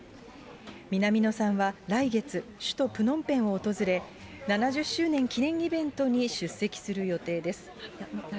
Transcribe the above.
南野さんは来月、首都プノンペンを訪れ、７０周年記念イベントに出席する予定です。